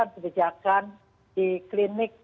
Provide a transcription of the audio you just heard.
pekerjaan di klinik